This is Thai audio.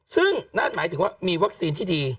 ซึ่งนั่นหมายถึงว่ามีวัคซีนที่ดี